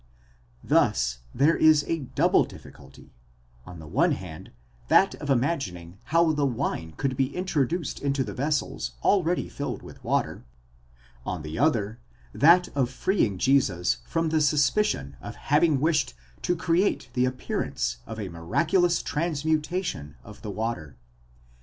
Thus there is a double difficulty ; on the one hand, that of imagining how the wine could be introduced into the vessels already filled with water; on the other, that of freeing Jesus from the suspicion of having wished to create the appearance of a miraculous transmutation of the water.